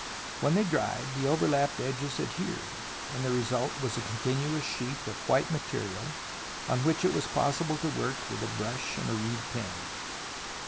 When they dried, the over lapped edges adhered, and the result was a con tinuous sheet of white material on which it was possible to work with a brush and a reed pen.